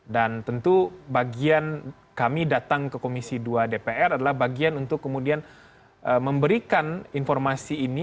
dan tentu bagian kami datang ke komisi dua dpr adalah bagian untuk kemudian memberikan informasi ini